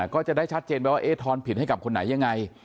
ก็จะได้ชัดเจนไปว่าเอ๊ทอนผิดให้กับคนไหนยังไง